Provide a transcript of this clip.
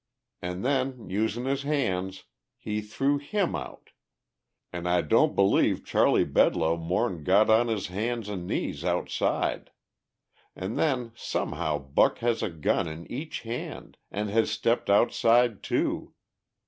An' then, using his hands, he threw him out. An' I don't believe Charley Bedloe more'n got on his hands an' knees outside! An' then somehow Buck has a gun in each hand, and has stepped outside, too.